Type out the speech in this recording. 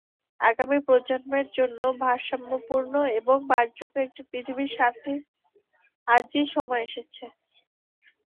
আগামী প্রজন্মের জন্য ভারসাম্যপূর্ণ এবং বাসযোগ্য একটি পৃথিবীর স্বার্থে আজই সময় এসেছে।